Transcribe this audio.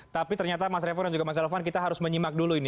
tapi ternyata mas revo dan juga mas elvan kita harus menyimak dulu ini